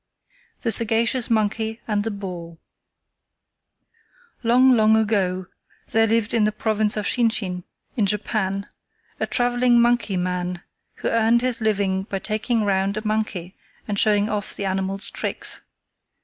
THE SAGACIOUS MONKEY AND THE BOAR Long, long ago, there lived in the province of Shinshin in Japan, a traveling monkey man, who earned his living by taking round a monkey and showing off the animal's tricks.